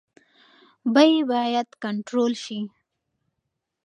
بیې باید کنټرول شي.